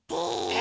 え